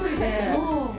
そう。